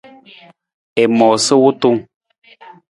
I moosa wutung.